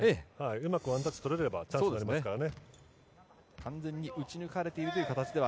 うまくワンタッチとれればチャンスがありますからね。